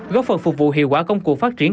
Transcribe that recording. góp phần phục vụ hiệu quả công cụ phát triển